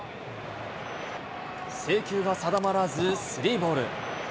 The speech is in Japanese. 制球が定まらず、スリーボール。